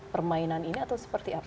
permainan ini atau seperti apa